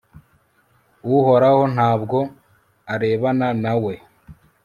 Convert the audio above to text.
uhoraho nta bwo arebana na we